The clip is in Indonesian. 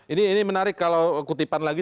ini menarik kalau kutipan lagi